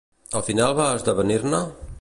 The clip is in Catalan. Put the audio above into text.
Al final va esdevenir-ne?